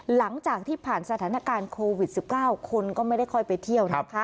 หลังจากที่ผ่านสถานการณ์โควิด๑๙คนก็ไม่ได้ค่อยไปเที่ยวนะคะ